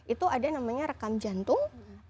itu ada namanya rekam jantung